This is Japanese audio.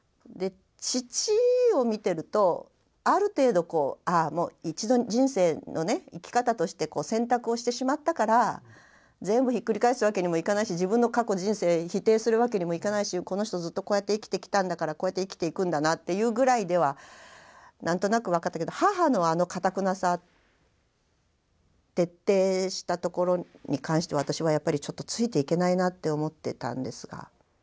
父を見てるとある程度こうああ一度人生の生き方として選択をしてしまったから全部ひっくり返すわけにもいかないし自分の過去人生否定するわけにもいかないしこの人ずっとこうやって生きてきたんだからこうやって生きていくんだなっていうぐらいでは何となく分かったけど母のあのかたくなさ徹底したところに関しては私はやっぱりちょっとついていけないなって思ってたんですが。